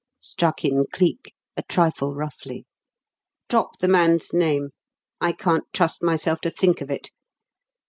struck in Cleek, a trifle roughly. "Drop the man's name I can't trust myself to think of it.